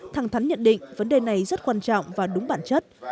thẳng thắn nhận định vấn đề này rất quan trọng và đúng bản chất